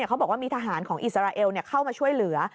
เขาบอกว่ามีทหารของอิสราเอลเข้ามาช่วยเหลือ